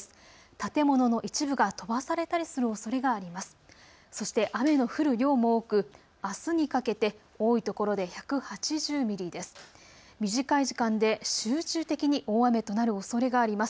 建物の一部が飛ばされたりするおそれがあります。